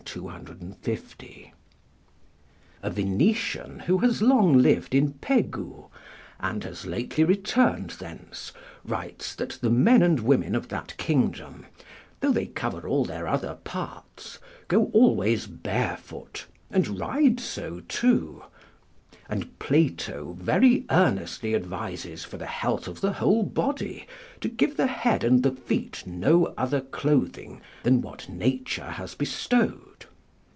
] A Venetian who has long lived in Pegu, and has lately returned thence, writes that the men and women of that kingdom, though they cover all their other parts, go always barefoot and ride so too; and Plato very earnestly advises for the health of the whole body, to give the head and the feet no other clothing than what nature has bestowed.